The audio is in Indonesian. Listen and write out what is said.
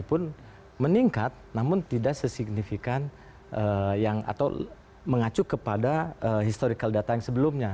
walaupun meningkat namun tidak sesignifikan atau mengacu kepada historical data yang sebelumnya